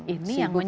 ini yang menyebabkan